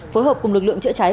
phối hợp cùng lực lượng chữa cháy